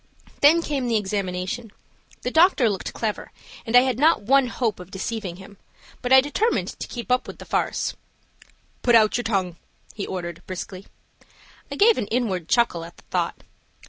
Then came the examination; the doctor looked clever and I had not one hope of deceiving him, but I determined to keep up the farce. "Put out your tongue," he ordered, briskly. I gave an inward chuckle at the thought.